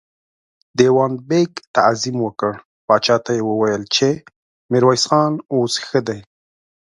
دېوان بېګ تعظيم وکړ، پاچا ته يې وويل چې ميرويس خان اوس ښه دی.